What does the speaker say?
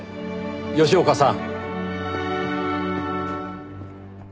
吉岡さん。